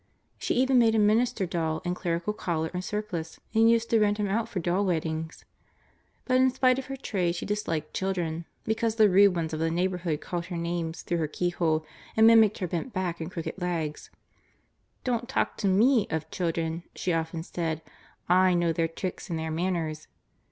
She even made a minister doll, in clerical collar and surplice, and used to rent him out for doll weddings. But in spite of her trade she disliked children, because the rude ones of the neighborhood called her names through her keyhole and mimicked her bent back and crooked legs. "Don't talk to me of children," she often said; "I know their tricks and their manners!"